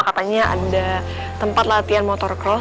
katanya ada tempat latihan motocross